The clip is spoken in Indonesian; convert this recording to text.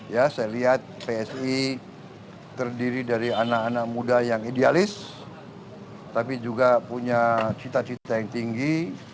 ya saya lihat psi terdiri dari anak anak muda yang idealis tapi juga punya cita cita yang tinggi